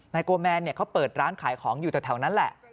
โกแมนเขาเปิดร้านขายของอยู่แถวนั้นแหละ